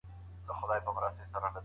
مشوره باید بې هدفه نه وي.